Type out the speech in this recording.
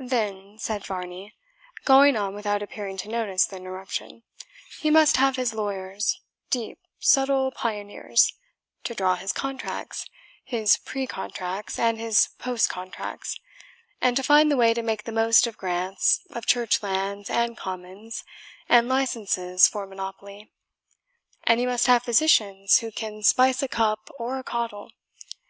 "Then," said Varney, going on without appearing to notice the interruption, "he must have his lawyers deep, subtle pioneers to draw his contracts, his pre contracts, and his post contracts, and to find the way to make the most of grants of church lands, and commons, and licenses for monopoly. And he must have physicians who can spice a cup or a caudle.